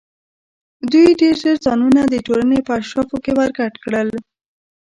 دوی ډېر ژر ځانونه د ټولنې په اشرافو کې ورګډ کړل.